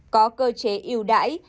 có cơ chế yêu đải